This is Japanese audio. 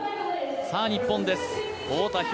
日本です、太田彪